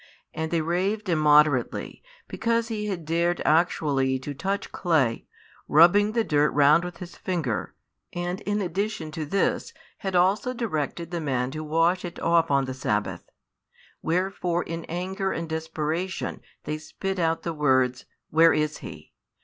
And they raved immoderately, because He had dared actually to touch clay, rubbing the dirt round with His finger, and in addition to this had also directed the man to wash it off on the sabbath. Wherefore in anger and desperation they spit out the words, Where is He?